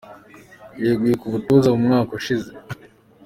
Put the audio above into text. Yeguye ku butoza mu mwaka ushize.